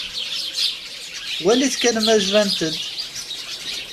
Walit kan ma jbant-d.